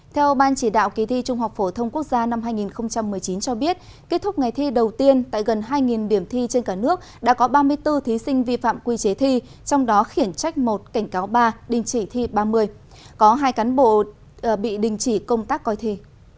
theo ban chỉ đạo kỳ thi trung học phổ thông quốc gia năm hai nghìn một mươi chín cho biết kết thúc ngày thi đầu tiên tại gần hai điểm thi trên cả nước đã có ba mươi bốn thí sinh vi phạm quy chế thi trong đó khiển trách một cảnh cáo ba đình chỉ thi ba mươi có hai cán bộ bị đình chỉ công tác coi thi